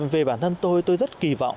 về bản thân tôi tôi rất kỳ vọng